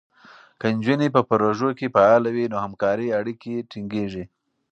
که نجونې په پروژو کې فعاله وي، نو همکارۍ اړیکې ټینګېږي.